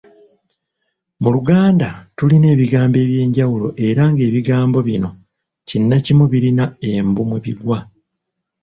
Mu Luganda tulina ebigambo eby'enjawulo era ng'ebigambo bino kinnakimu birina embu mwe bigwa